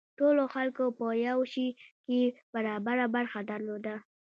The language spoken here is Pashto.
ټولو خلکو په یو شي کې برابره برخه درلوده.